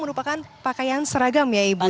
merupakan pakaian seragam ya ibu